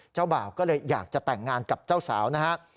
บ่าวก็เลยอยากจะแต่งงานกับเจ้าสาวนะฮะ